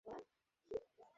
ফুলের রং সবুজাভ সাদা বর্ণের।